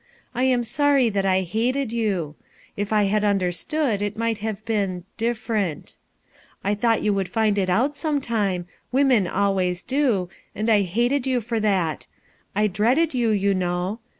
I am sorry that I hated y n If I had understood, it might have been— differ ent, I thought you would find it out, sometime women always do, and I hated you for that I dreaded you, you know.